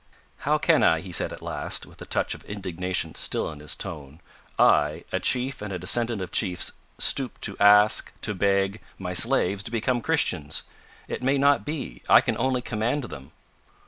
"How can I," he said at last, with a touch of indignation still in his tone, "I, a chief and a descendant of chiefs, stoop to ask, to beg, my slaves to become Christians? It may not be, I can only command them."